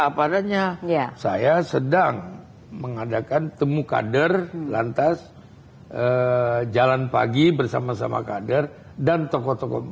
apa adanya saya sedang mengadakan temu kader lantas jalan pagi bersama sama kader dan tokoh tokoh